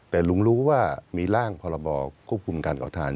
แต่ลุงรู้ว่ามีร่างพรบควบคุมการก่อทาน